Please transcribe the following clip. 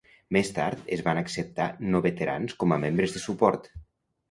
Més tard, es van acceptar no veterans com a membres de suport.